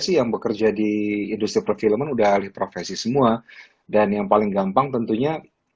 sih yang bekerja di industri perfilman udah alih profesi semua dan yang paling gampang tentunya